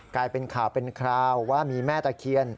กลายเป็นข่าวเป็นคราวว่ามีแม่ตะเคียน